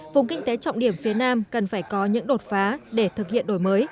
vùng kinh tế trọng điểm phía nam cần phải có những đột phá để thực hiện đổi mới